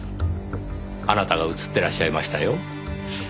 あなたが映ってらっしゃいましたよ。